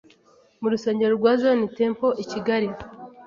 mu rusengero rwa Zion Temple I Kigali